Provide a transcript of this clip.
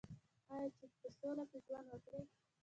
آیا چې په سوله کې ژوند وکړي؟